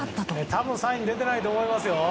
多分サイン出てないと思いますよ。